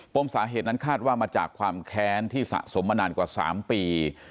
มสาเหตุนั้นคาดว่ามาจากความแค้นที่สะสมมานานกว่า๓ปี